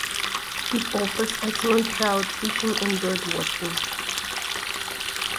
It offers excellent trout fishing and bird watching.